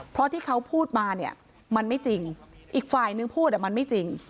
เพราะที่เขาพูดมาเนี่ยมันไม่จริงอีกฝ่ายนึงพูดมันไม่จริง